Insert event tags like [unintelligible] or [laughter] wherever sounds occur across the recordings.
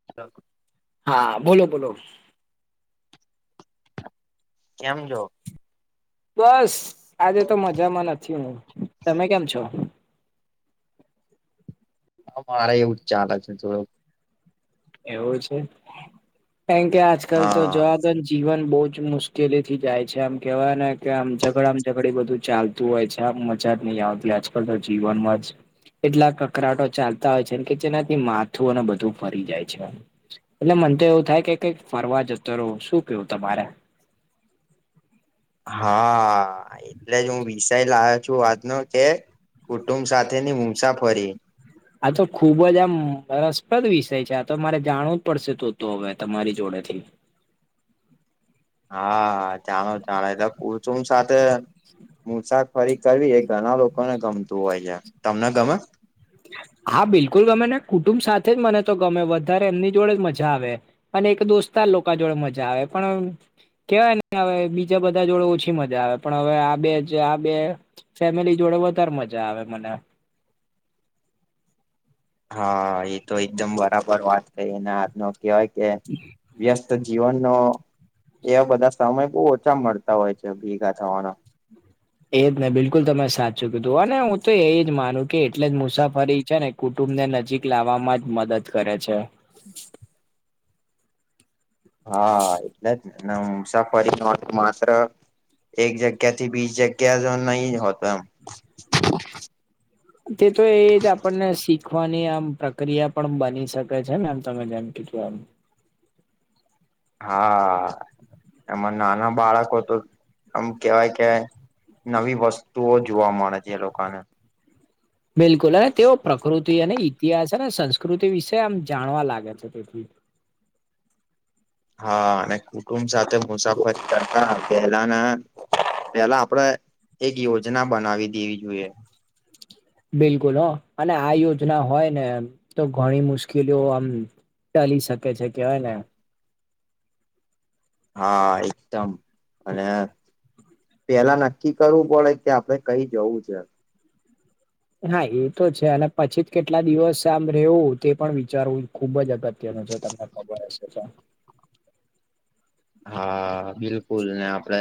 [inaudible] હા બોલો બોલો. કેમ છો? બસ આજે તો મજામાં નથી હું. તમે કેમ છો? હા મારે એવું જ ચાલે છે થોડું. એવું છે? કેમ કે આજકાલ હા જોબ જીવન બહુ જ મુશ્કેલી થી જાય છે આમ કેવાય ને કે આમ ઝઘડ આમ ઝઘડી બધું ચાલ ત હોય છે આમ મજા જ નહી આવતી આજકાલ તો જીવનમાં જ એટલા કકરાટો ચાલતા હોય છે કે જેનાથી માથું અને બધું ફરી જાય છે. એટલે મન તો એવું થાય કે કઈક ફરવા જતો રહો શું કેવું તમારે હા. એટલે જ હું વિષાય લ્યો છું આજનો કે કુટુંબ સાથેની મુસાફરી આ તો ખુબ જ આમ રનસપ્રદ વિષય છે આ તો મારે જાણવું જ પડશે તો તો હવે તમારી જોડેથી. હા હા ચણો ચને એતો કુલ [unintelligible] સાથે મુસાફરી કરવી એ ઘણા લોકોને ગમતું હોય છે તમને ગમે. હા બિલકુલ ગમે ને કુટુંબ સાથે જ મને તો ગમે વધારે એમની જોડે જ મજા આવે. અને એક દોસ્ત લોકો જોડે મજા આવે પણ કેવાય ને હવે બીજા બધા જોડે ઓછી મજા આવે પણ હવે આ બે જ આ બે ફેમિલી જોડે વધારે મજા આવે મને. હા એ તો એકદમ બરાબર વાત કરીઈ એને આથ નો કહેવાય કે વ્યસ્ત તો જીવનનો એવા બધા સમય બહુ ઓછા મળતા હોય છે ભેગા થવાના. એજ નને બિલકુલ તમે સાચું કી તું હને હું તો એજ માનું કે એટલે જ મુસાફરી છે ને કુટુંબ ને નજીક લાવવામાં જ મદદ કરે છે. હા એટલે જને મુસાફરી [unintelligible] માત્ર એક જગ્યા થી બીસ જગ્યા જો નહી હોતો એમ. તે તો એ જ આપણને શીખવાની આમ પ્રક્રિયા પણ બની શકે છે ને તમે જાણ [unintelligible] હા એમાં નાના બાળકો તો આમ કેવાય કે નવી વસ્તુઓ જોવા મળે છે એ લોક ને. બિલકુલ અને તેઓ પ્રકૃતિ અને ઇતિહાસ અને સંસ્કૃતિ વિશે આમ જાણવા લાગે છે તેથી. હા અને કુટુંબ સાથે મુસાફર કરતા પહેલાના પેલા આપડે એક યોજના બનાવી દેવી જોઈએ. બિલકુલ હ અને આ યોજના હોય ને તો ઘણી મુશ્કેલીઓ આમ ચાલી શકે છે કેવાય ને હા એકદમ અને પેલા નક્કી કરવું પડે કે આપડે કઈ જવું છે. હા એ તો છે અને પછી જ કેટલા દિવસ આમ રહેવું તે પણ વિચારવું ખુબ જ અગત્યનું છે તમને. [unintelligible] હા બિલકુલ ને આપડે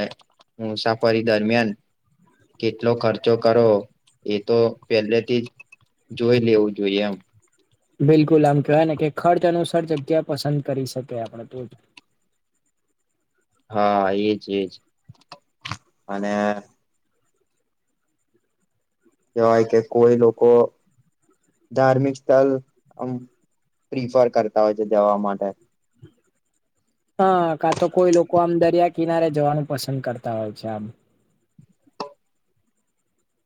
મુસાફરી દરમિયાન કેટલો ખર્ચો કરવો એ તો પેલેથી જ જોઈ લેવું જોઈએ એમ. બિલકુલ આમ કહેવાય ને કે ખર્ચ અનુસાર જગ્યા પસંદ કરી શકે આપડે તો જ. હા, એજ એજ અને કહેવાય કે કોઈ લોકો ધાર્મિક સ્થળ આ પ્રિફર કરતા હોય છે જવા માટે. હા કાં તો કોઈ લોકો આમ દરિયા કિનારે જવાનું પસંદ કરતા હોય છે આમ.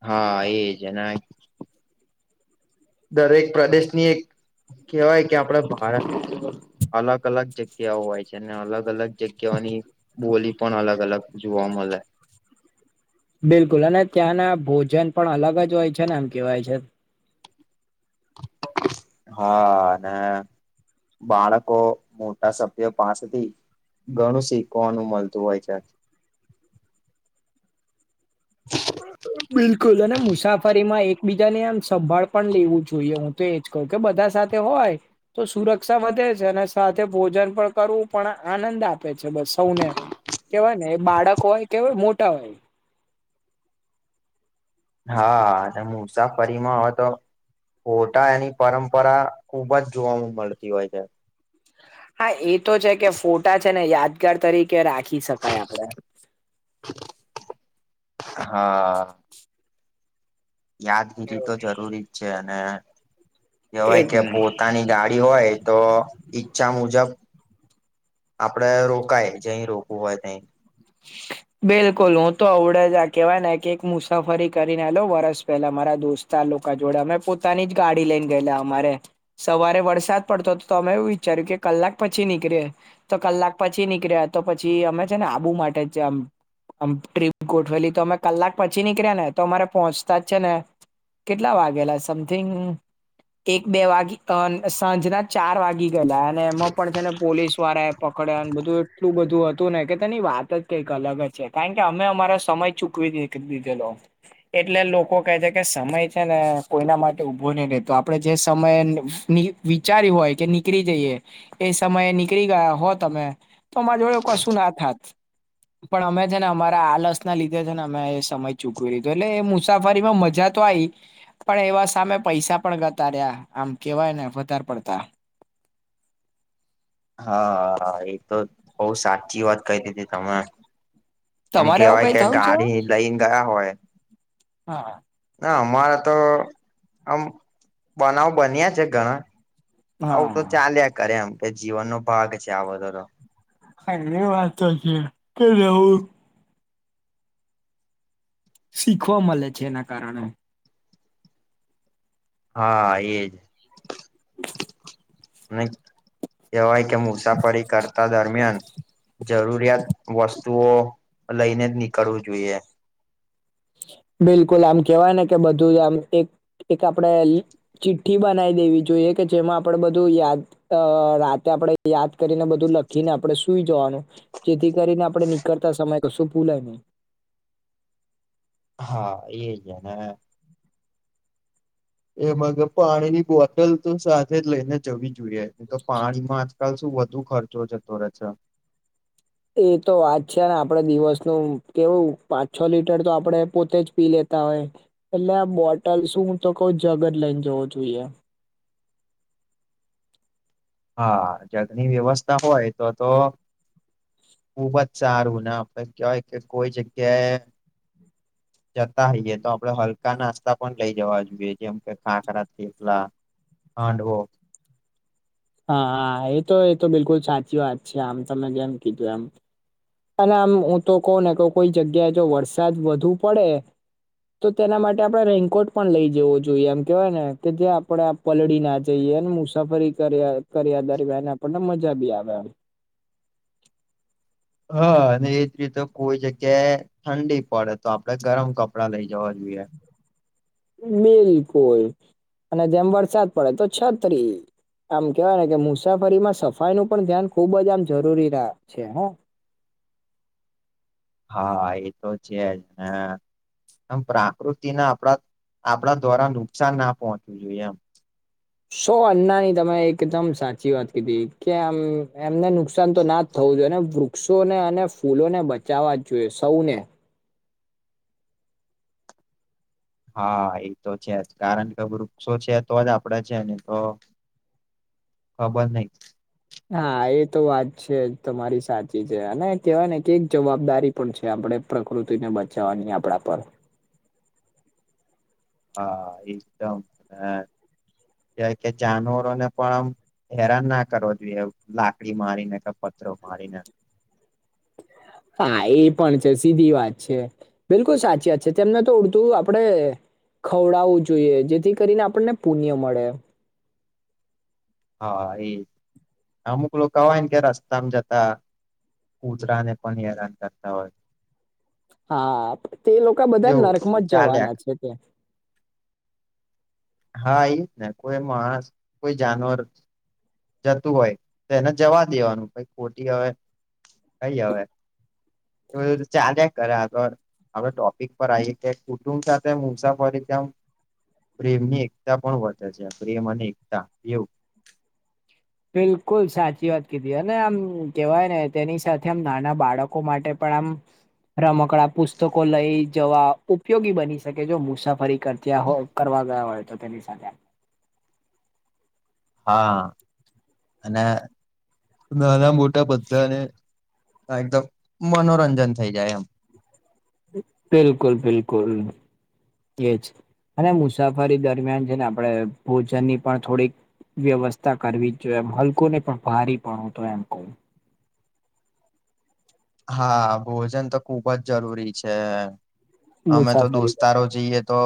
હા એજ એના દરેક પ્રદેશની એક કહેવાય કે આપડા ભારત નું જીવન અલગ અલગ જગ્યાઓ હોય છે અને અલગ અલગ જગ્યાઓની બોલી પણ અલગ અલગ જોવા મળે. બિલકુલ અને ત્યાંના ભોજન પણ અલગ જ હોય છે ને આમ કેવાય છે. હા અને બાળકો મોટા સભ્યો પાસેથી ઘણું શીખવાનું મળતું હોય છે. બિલકુલ અને મુસાફરીમાં એકબીજા ને આમ સંભાળ પણ લેવું જોઈએ. તો એજ કહું કે બધા સાથે હોય તો સુરક્ષા વધે છે અને સાથે ભોજન પણ કરવું પણ આનંદ આપે છે બસ સૌને. કેવાય ને એ બાળક હોય કે મોટા હોય. હા અને મુસાફરીમાં હવે તો ઓટા એની પરંપરા ખુબ જ જોવા મળતી હોય છે. હા એ તો છે કે ફોટા છે ને યાદગાર તરીકે રાખી શકાય આપડે. હા. યાદગીરી તો જરૂરી જ છે અને કહેવાય એજ કે ને પોતાની ગાડી ઈ હોય તો ઈચ્છા મુજબ આપડે રોકાય જઈ, રોકવું હોય ત્યાં. બિલકુલ, હું તો અવડે જ આ કેવાય ને કે, એક મુસાફરી કરીને લઉ વરસ પેલા મારા દોસ્ત લોકો જોડે, અમે પોતાની જ ગાડી લઈને ગયેલા અમારે. સવારે વરસાદ પડતો, તો તમે એવું વિચાર્યું કે, કલાક પછી નીકળે. તો કલાક પછી નીકળ્યા, તો પછી અમે છે ને, આબુ માટે છે. આમ ટ્રીપ ગોઠવેલી, તો અમે કલાક પછી નીકળ્યા ને, તો અમારે પહોંચતા જ છે ને કેટલા વાગેલા સમથિંગ? એક બે વાગી, સાંજના ચાર વાગી ગયેલા, અને એમાં પણ છે ને પોલીસ વાળા પકડ્યાને, બધું એટલું બધું હતું ને કે, તેની વાત જ કે અલગ જ છે, કારણ કે અમે અમારા સમય ચૂકવી દીધેલો. એટલે લોકો કહે છે કે, સમય છે ને, કોઈના માટે ઊભો નહીં રહેેતો. આપડે જે સમય વિચાર્યું હોય કે, નીકળી જઈએ એ, સમયે નીકળી ગયા હો તમે. તો મા જો કશું ના થાત. પણ અમે છે ને, અમારા આલસ ના લીધે છે ને, અમે સમય ચૂકવી લીધો. એટલે એ મુસાફરીમાં મજા તો આવી. પણ એવા સામે પૈસા પણ ગતા રહ્યા, આમ કેવાય ને, વધારે પડતા. હા, હા, એ તો બહુ સાચી વાત કહી દીધી તમે. આમ તમારે આવું કેવાય કઈ કે થયું છે ગાડી લઈ ગયા હોય. હા. ના અમારા તો આમ બનાવ બન્યા છે ઘણા. હા આવ તો ચાલીયા કરે, એમ કે જીવનનો ભાગ છે આ બધો. ની વાત છે કે, લેવું. શીખવા મળે છે, એના કારણે. હા, એજ. [inaudible] અને કવાય કે મુસાફરી કરતા દરમિયાન. જરૂરિયાત વસ્તુઓ લઈને જ નીકળવું જોઈએ. બિલકુલ આમ કેવાય ને કે બધું જ આમ એક એક આપડે? ચિઠ્ઠી બનાવી દેવી જોઈએ કે જેમાં આપણેે બધું યાદ અ રાતે આપણેે યાદ કરીને બધું લખીને આપડણે સુઈ જવાનું. જેથી કરીને આપડે નીકળતા સમય કશું ભૂલાય નહી. હા એજ ને? એમાંગ પાણીની બોટલ તો સાથે જ લઈને જવી જોઈએ તો પાણીમાં જ કાલ શું વધુ ખર્ચો છે તો રહે છે. એ તો વાત છે ને આપડે દિવસનું કેવું પાંચ છ લીટર તો આપણે પોતે જ પી લેતા હોય. અલ્યા આ બોટલ શું તો કઉ જગજ લઈને જવો જોઈએ. હા જગની વ્યવસ્થા હોય તો તો ખુબ જ સારું ના આપણે કય કે કોઈ જગ્યાએ. જતા હોઈયએ તો આપડે હલકા નાસ્તા પણ લઈ જવા જોઈએ જેમ કે ખાખરા થેપલા. હાંડવો, હા હા એ તો એ તો બિલકુલ સાચી વાત છે આમ તમને જેમ કીધું એમ. અને આમ હું તો કહ ને ક કોઈ જગ્યાએ જો વરસાદ વધુ પડે? તો તેના માટે આપડણે રેનકોટ પણ લઈ જવો જોઈએ એમ કેવાય ને કે જે આપડે પલડી ના જઈએ મુસાફરી કર્યા કર્યા દરમિયાન આપણને મજા બી આવે. હા અને એ જ રીતે કોઈ જગ્યાએ? ઠંડી પડે તો આપડે ગરમ કપડાં લઈ જવા જોઈએ. બિલકુલ અને જેમ વરસાદ પડે તો છત્રી. આમ કેવાય ને કે મુસાફરીમાં સફાઈ નું પણ ધ્યાન ખુબ જ આમ જરૂરી છે હ. હા એ તો છે ને. આમ પ્રાકૃતિના આપડા આપણા દ્વારા નુકસાન ના પહોંચવું જોઈએ એમ. શો અન્ના ની તમે એકદમ સાચી વાત કીધી કે આમ એમને નુકસાન તો ના. થવું જોઈએ અને વૃક્ષો ને અને ફૂલોને બચાવવા જ જોઈએ સૌને. હા, એ તો છે જ. કારણ કે, વૃક્ષો છે તો જ આપડે છે, ની તો ખબર નહી. હા, એ તો વાત છે જ. તમારી સાચી છે. અને કહેવાય ને કે એક જવાબદારી પણ છે, આપણેે પ્રકૃતિને બચાવવાની, આપણા પર. હા, એકદમ. હ, કેય કે જાનવરો ને પણ ઓમ હેરાન ના કરવો જોઈએ, લાકડી મારીને કે પથરો મારીને. હા, એ પણ છે, સીધી વાત છે, બિલકુલ સાચી વાત છે. તેમને તો ઉડતુ આપડે ખવડાવું જોઈએ, જેથી કરીને આપણને પુણ્ય મળે. હા, એ અમુક લોકા હોય ન કે રસ્તામ જતા. કુતરા ને પણ હેરાન કરતા હોય. હા, તે લોકા બધા એવું બધું નરકમાં જ ચાલ્યા જવાના કરે છે ત્યા. હા, ઈ જ ને, કોઈ માણસ, કોઈ જાનવર જતું હોય તો એને જવા દેવાનું. ખોટી હવે, કઈ હવે? [unintelligible] ચાલ્યા કરે આગળ અવે ટોપિક પર આઇએ, કે કુટુંબ સાથે મુસાફરી કેમ? પ્રેમ ની એકતા પણ વધે છે, પ્રેમ અને એકતા એવું. બિલકુલ સાચી વાત કીધી, અને આમ કેવાય ને, તેની સાથે આમ, નાના બાળકો માટે પણ આમ રમકડા, પુસ્તકો, લઈ જવા ઉપયોગી બની શકે, જો મુસાફરી કરતા હોય કરવા ગયા હોય તો, તેની સાથે. હા અને નાના મોટા બધાને, એકદમ મનોરંજન થઈ જાય, એમ બિલકુલ, બિલકુલ, એજ. અને મુસાફરી દરમિયાન છે ને આપણે, ભોજનની પણ થોડીક વ્યવસ્થા કરવી જ જોઈએ, એમ. હલકો નહીં પણ ભારી પણ હું તો એમ કહું હા, ભોજન તો ખુબ જ જરૂરી છે. અમે તો મુસાફરી દોસ્તારો દરમિયાન જઈએ ત તો,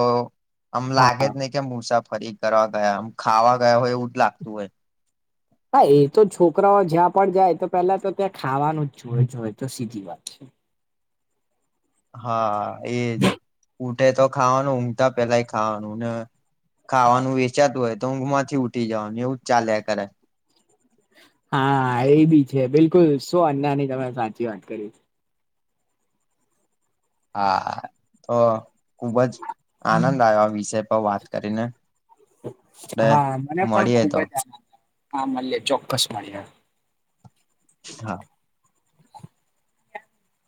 આમ હા લાગે જ નહી કે મુસાફરી કરવા ગયા, આમ ખાવા ગયા હોય એવું જ લાગતું હોય. હા, એ તો છોકરાઓ જ્યાં પણ જાય, તો પેલા તો ત્યાં ખાવાનું જ જોઇતુ હોય, એ તો સીધી વાત છે. હા, એ જ. ઊટે તો ખાવાનું, ઊંઘતા પેલાય ખાવાનું, ને ખાવાનું વેચાતું હોય તો ઊંઘમાંથી ઉઠી જવાનું! એવું જ ચાલ્યા કરે હા, એ બી છે. બિલકુલ સુ અન્નાની તમે સાચી વાત કરી. હા, તો ખુબજ આનંદ આયો, આ વિષય પર વાત કરીને. એટલે હા, મને પણ મળીએ ખુબ તો જ આનંદ આ, હા, મલીયે. ચોક્કસ મલીયે. હા